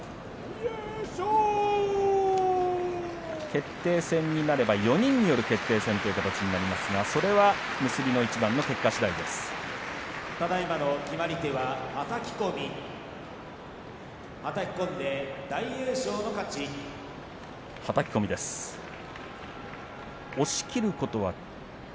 決定戦になれば４人による決定戦ということになりますがそれは結びの一番の結果しだいということです。